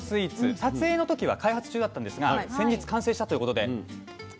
撮影の時は開発中だったんですが先日完成したということでご用意しました。